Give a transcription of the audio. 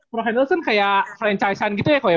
pro handels kan kayak franchise an gitu ya koko ya